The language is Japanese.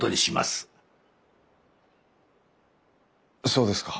そうですか。